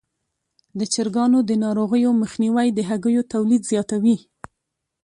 د چرګانو د ناروغیو مخنیوی د هګیو تولید زیاتوي.